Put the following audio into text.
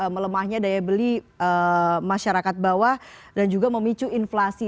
melemahnya daya beli masyarakat bawah dan juga memicu inflasi